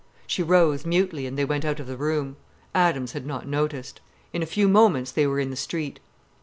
She rose mutely, and they went out of the room. Adams had not noticed. In a few moments they were in the street.